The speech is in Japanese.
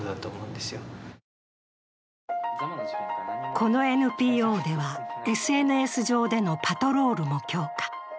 このＮＰＯでは、ＳＮＳ上でのパトロールも強化。